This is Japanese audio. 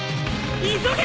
急げ！